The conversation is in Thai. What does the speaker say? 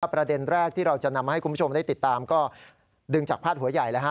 ประเด็นแรกที่เราจะนำมาให้คุณผู้ชมได้ติดตามก็ดึงจากพาดหัวใหญ่